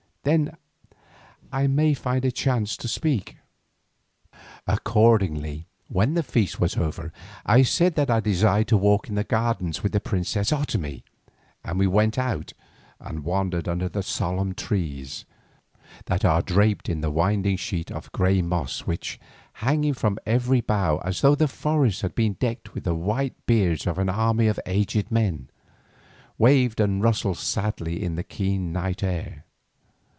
Then I may find a chance to speak." Accordingly, when the feast was over I said that I desired to walk in the gardens with the princess Otomie, and we went out and wandered under the solemn trees, that are draped in a winding sheet of grey moss which, hanging from every bough as though the forest had been decked with the white beards of an army of aged men, waved and rustled sadly in the keen night air.